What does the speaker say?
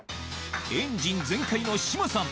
エンジン全開の志麻さん